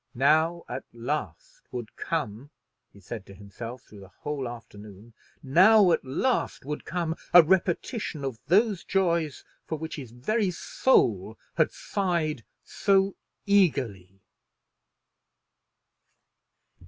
Now at last would come, he said to himself through the whole afternoon, now at last would come a repetition of those joys for which his very soul had sighed so eagerly.